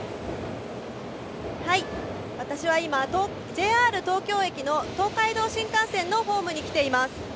私は今、ＪＲ東京駅の東海道新幹線のホームに来ています。